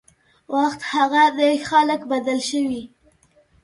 وخت هغه ده خلک بدل شوي